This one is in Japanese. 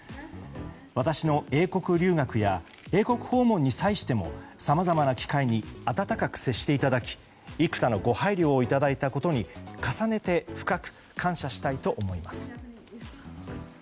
私の英国留学や英国訪問に対してもさまざまな機会に温かく接していただき幾多のご配慮をいただいたことに重ねて深く感謝したいと思います。